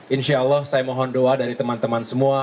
insyaallah saya mohon doa dari teman teman semua